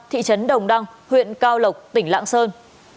thị trấn đồng đăng huyện cao lộc tỉnh lạng sơn